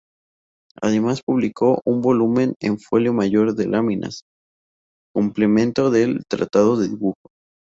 Además publicó un volumen en folio mayor de láminas, complemento del "Tratado de dibujo".